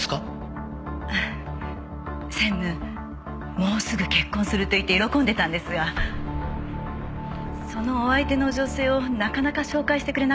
もうすぐ結婚すると言って喜んでたんですがそのお相手の女性をなかなか紹介してくれなかったんです。